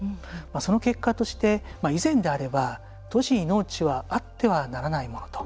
その結果として、以前であれば都市に農地はあってはならないものと。